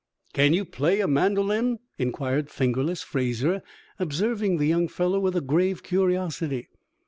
"Can you play a mandolin?" inquired "Fingerless" Fraser, observing the young fellow with grave curiosity.